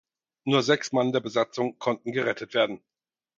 Nur sechs Mann der Besatzung konnten gerettet werden.